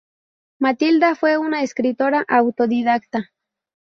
Matilda fue una escritora autodidacta.